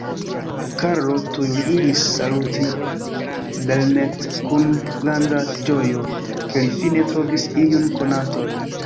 Karlo tuj iris saluti Belnett kun granda ĝojo, ke li fine trovis iun konaton.